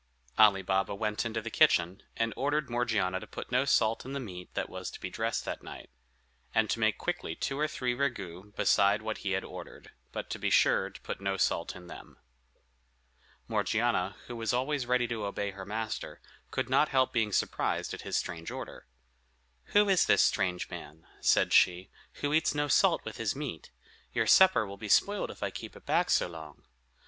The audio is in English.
Ali Baba went into the kitchen, and ordered Morgiana to put no salt in the meat that was to be dressed that night; and to make quickly two or three ragouts besides what he had ordered, but be sure to put no salt in them. Morgiana, who was always ready to obey her master, could not help being surprised at his strange order. "Who is this strange man," said she, "who eats no salt with his meat? Your supper will be spoiled if I keep it back so long."